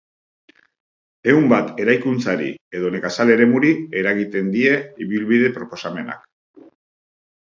Ehun bat eraikuntzari edo nekazal eremuri eragiten die ibilbide proposamenak.